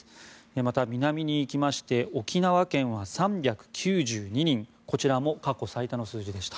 また、南に行きまして沖縄県は３９２人こちらも過去最多の数字でした。